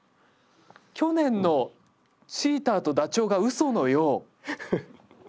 去年のチーターとダチョウが嘘のよう。